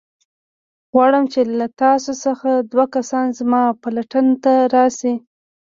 غواړم چې له تاسو څخه دوه کسان زما پلټن ته راشئ.